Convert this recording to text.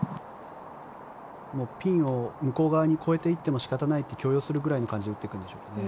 ピンの向こう側に越えていってもしょうがないと許容するぐらいの感じで打っていくんですかね。